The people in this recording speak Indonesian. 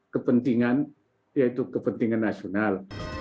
kepentingan yaitu kepentingan nasional